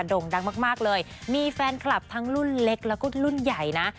่งดังมากเลยมีแฟนคลับทั้งรุ่นเล็กแล้วก็รุ่นใหญ่นะ